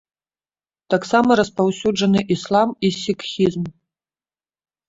Таксама распаўсюджаны іслам і сікхізм.